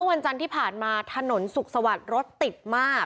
วันจันทร์ที่ผ่านมาถนนสุขสวัสดิ์รถติดมาก